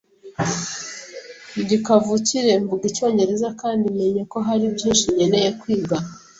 Ndi kavukire mvuga Icyongereza kandi menye ko hari byinshi nkeneye kwiga.